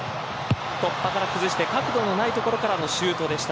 突破から崩して角度のない所からのシュートでした。